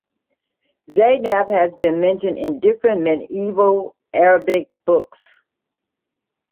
Zaynab has been mentioned in different medieval Arabic books.